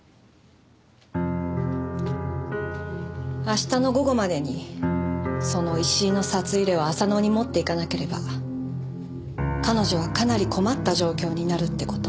明日の午後までにその石井の札入れを浅野に持っていかなければ彼女はかなり困った状況になるって事。